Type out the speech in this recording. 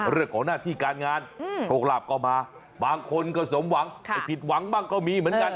เรื่องของหน้าที่การงานโชคลาภก็มาบางคนก็สมหวังไปผิดหวังบ้างก็มีเหมือนกัน